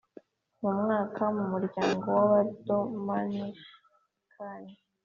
mu mwaka mu muryango w’abadominikani